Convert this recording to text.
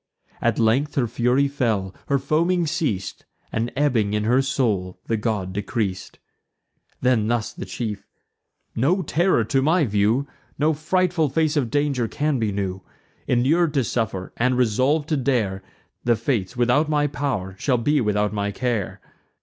At length her fury fell, her foaming ceas'd, And, ebbing in her soul, the god decreas'd. Then thus the chief: "No terror to my view, No frightful face of danger can be new. Inur'd to suffer, and resolv'd to dare, The Fates, without my pow'r, shall be without my care.